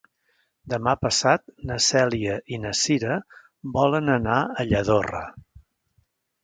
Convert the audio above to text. Demà passat na Cèlia i na Cira volen anar a Lladorre.